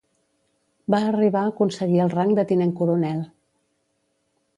Va arribar aconseguir el rang de tinent coronel.